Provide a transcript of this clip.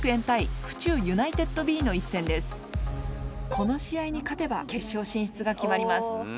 この試合に勝てば決勝進出が決まります。